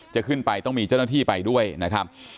จะขึ้นไปต้องมีเจ้าหน้าที่ไปด้วยนะครับ